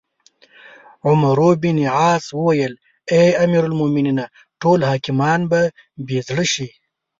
عمروبن عاص وویل: اې امیرالمؤمنینه! ټول حاکمان به بې زړه شي.